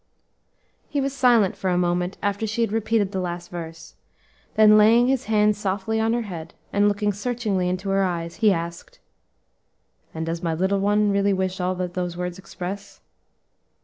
] He was silent for a moment after she had repeated the last verse, then laying his hand softly on her head, and looking searchingly into her eyes, he asked, "And does my little one really wish all that those words express?"